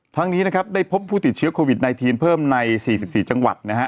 ทั้งนี้นะครับได้พบผู้ติดเชื้อโควิด๑๙เพิ่มใน๔๔จังหวัดนะฮะ